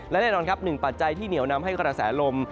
และแน่นอนครับหนึ่งปัจจัยที่เหนียวนำให้กระแสลม